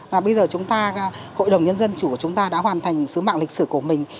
và bây giờ chúng ta hội đồng nhân dân chủ của chúng ta đã hoàn thành sứ mạng lịch sử của mình